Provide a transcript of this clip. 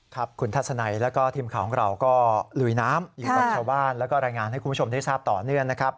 ครับคุณทัศนัยแล้วก็ทีมข่าวของเราก็ลุยน้ำอยู่กับชาวบ้านแล้วก็รายงานให้คุณผู้ชมได้ทราบต่อเนื่องนะครับ